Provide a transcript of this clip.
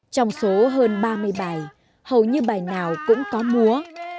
trong số hơn ba mươi bài hầu như bài nào cũng có múa